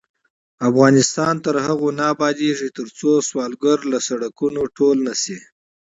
افغانستان تر هغو نه ابادیږي، ترڅو سوالګر له سړکونو ټول نشي.